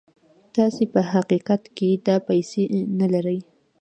تاسې په حقيقت کې دا پيسې نه لرئ.